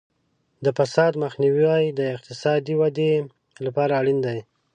د فساد مخنیوی د اقتصادي ودې لپاره اړین دی.